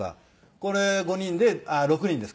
これ５人であっ６人ですか。